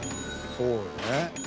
そうやね。